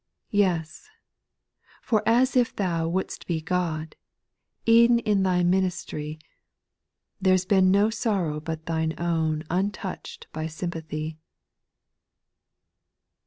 8. Yes I for as if Thou would'st be God, E'en in Thy misery. There 's been no sorrow but Thine own Untouched by sympathy.